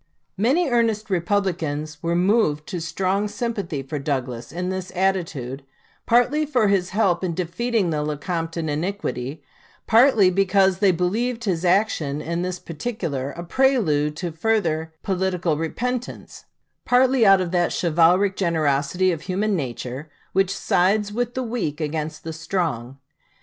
Many earnest Republicans were moved to strong sympathy for Douglas in this attitude, partly for his help in defeating the Lecompton iniquity, partly because they believed his action in this particular a prelude to further political repentance, partly out of that chivalric generosity of human nature which sides with the weak against the strong.